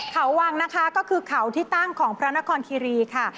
เขาวังนะคะก็คือเขาที่ตั้งของพระนครคิรีค่ะ